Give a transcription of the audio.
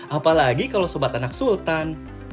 apalagi kalau sobat anak sultan